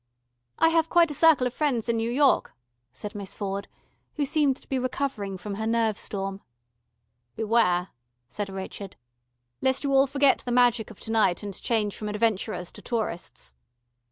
"I have quite a circle of friends in New York," said Miss Ford, who seemed to be recovering from her nerve storm. "Beware," said Richard, "lest you all forget the magic of to night, and change from adventurers to tourists."